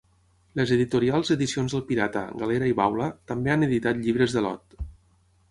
Les editorials Edicions del Pirata, Galera i Baula també han editat llibres de l'Ot.